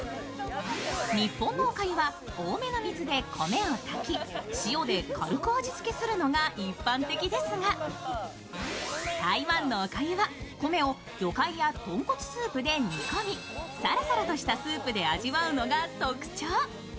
日本のおかゆは多めの水で米を炊き、塩で軽く味付けするのが一般的ですが台湾のおかゆは米を魚介や豚骨スープで煮込みさらさらとしたスープで味わうのが特徴。